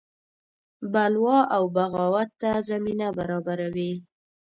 بلوا او بغاوت ته زمینه برابروي.